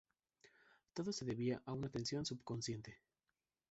Todo se debía a una tensión subconsciente.